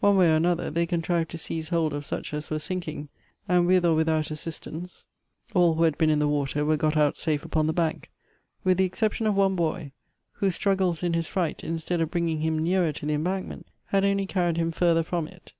One way or an other they contrived to seize hold of such as were sinking ; and with or without assistance all who had been in the water were got out safe upon the bank, with the excep tion of one boy, whose struggles in his fright, instead of bringing him nearer to the embankment, had only carried him further from it.